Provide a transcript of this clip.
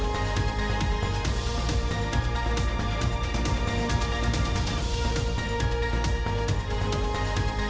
โปรดติดตามตอนต่อไป